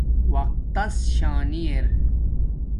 وقت تس شانی ار